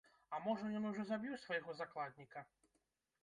А можа, ён ужо забіў свайго закладніка!?